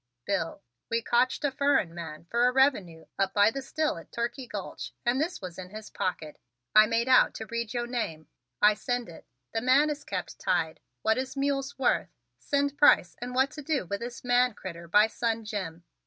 "Bill, we cotched a furren man fer a revenue up by the still at Turkey Gulch and this was in his pocket. I made out to read yo name. I send it. The man is kept tied. What is mules worth? Send price and what to do with this man critter by son Jim.